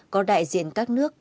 có đại diện các nước